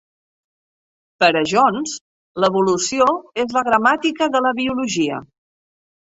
Per a Jones "l'evolució és la gramàtica de la biologia".